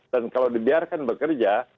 dan kalau dibiarkan bekerja